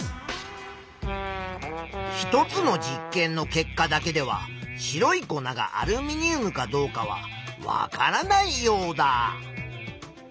１つの実験の結果だけでは白い粉がアルミニウムかどうかはわからないヨウダ。